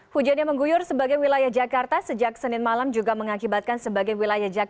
hujan yang mengguyur sebagai wilayah jakarta sejak senin malam juga mengakibatkan sebagai wilayah jakarta